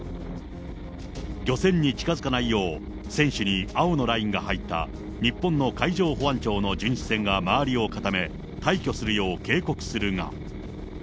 漁船に近づかないよう、船首に青のラインが入った日本の海上保安庁の巡視船が周りを固め、退去するよう警告するが。